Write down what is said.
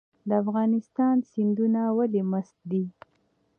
د افغانستان سیندونه ولې مست دي؟